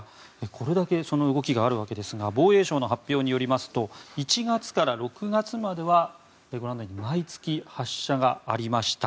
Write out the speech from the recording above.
これだけ動きがあるわけですが防衛省の発表によりますと１月から６月まではご覧のように毎月、発射がありました。